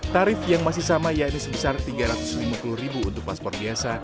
tarif yang masih sama yaitu sebesar rp tiga ratus lima puluh untuk paspor biasa